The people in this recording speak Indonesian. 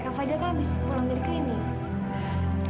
kak fadil kan habis pulang dari klinik